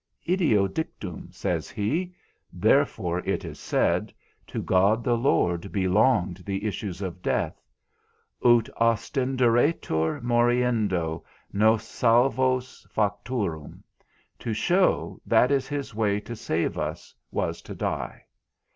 Ideo dictum, says he, therefore it is said, to God the Lord belonged the issues of death; ut ostenderetur moriendo nos salvos facturum, to show that his way to save us was to die.